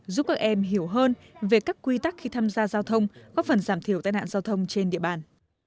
giúp các em hiểu hơn về các quy tắc khi tham gia giao thông góp phần giảm thiểu tai nạn giao thông trên địa bàn